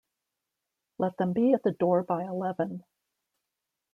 Let them be at the door by eleven.